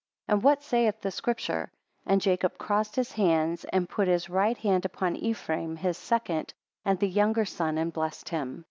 7 And what saith the Scripture? And Jacob crossed his hands, and put his right hand upon Ephraim, his second, and the younger son, and blessed him.